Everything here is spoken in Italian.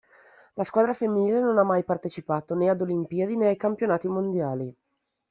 La squadra femminile non ha mai partecipato né ad Olimpiadi né ai Campionati Mondiali.